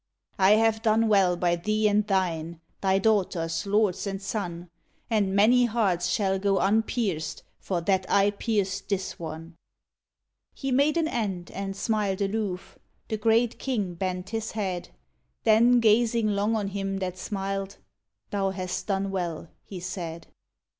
I have done well by thee and thine Thy daughters, lords and son; And many hearts shall go unpierced, For that I pierced this one." He made an end, and smiled aloof .... The great king bent his head .... Then, gazing long on him that smiled, "Thou hast done well," he said.